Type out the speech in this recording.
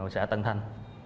xã tân thanh